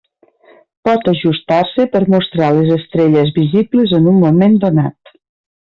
Pot ajustar-se per mostrar les estrelles visibles en un moment donat.